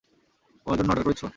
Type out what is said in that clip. আমার জন্য অর্ডার করেছো?